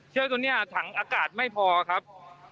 เชือกตัวนี้ถังอากาศไม่พอครับ